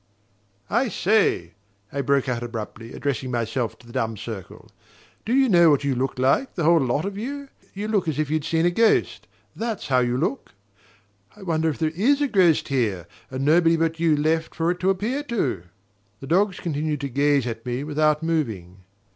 "I say," I broke out abruptly, addressing myself to the dumb circle, "do you know what you look like, the whole lot of you? You look as if you'd seen a ghost that's how you look! I wonder if there IS a ghost here, and nobody but you left for it to appear to?" The dogs continued to gaze at me without moving...